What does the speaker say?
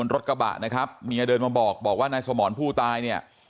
รถกระบะนะครับเมียเดินมาบอกบอกว่านายสมรผู้ตายเนี่ย